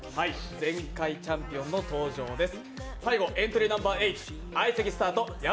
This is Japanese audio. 前回チャンピオンの登場です。